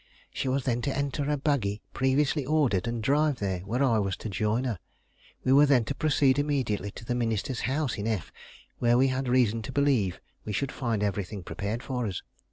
She was then to enter a buggy previously ordered, and drive here, where I was to join her. We were then to proceed immediately to the minister's house in F , where we had reason to believe we should find everything prepared for us.